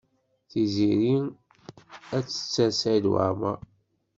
Tiziri ad tetter Saɛid Waɛmaṛ.